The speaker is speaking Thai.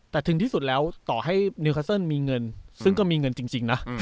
แต่ถึงที่สุดแล้วต่อให้นิวคัสเซิลมีเงินซึ่งก็มีเงินจริงนะ